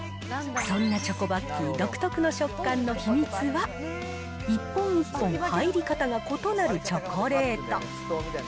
そんなチョコバッキー独特の食感の秘密は、一本一本入り方が異なるチョコレート。